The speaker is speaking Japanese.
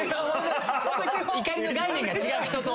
怒りの概念が違う人と。